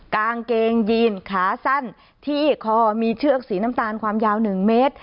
กางเกงยีนขาสั้นที่คอมีเชือกสีน้ำตาลความยาว๑เมตร